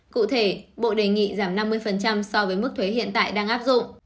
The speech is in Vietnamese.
cụ thể bộ đề nghị giảm năm mươi so với mức thuế hiện tại đang áp dụng